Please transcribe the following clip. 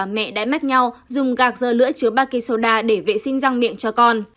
mắc nhau dùng gạc dơ lưỡi chứa baking soda để vệ sinh răng miệng cho con